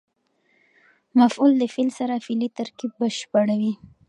مفعول د فعل سره فعلي ترکیب بشپړوي.